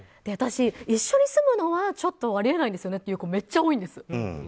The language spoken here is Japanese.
私、一緒に住むのはちょっとあり得ないんですよねっていう子めっちゃ多いんですよ。